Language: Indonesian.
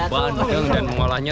buah dan mengolahnya